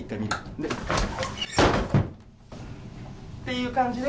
それで、っていう感じで。